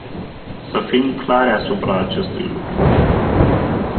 Să fim clari asupra acestui lucru.